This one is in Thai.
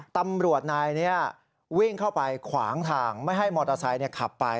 ตำรวจนายนี้วิ่งเข้าไปขวางทางไม่ให้มอเตอร์ไซค์ขับไป